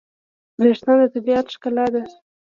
وېښتيان د طبیعت ښکلا ده.